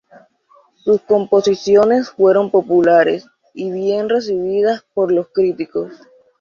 Sus composiciones fueron populares y bien recibidas por los críticos.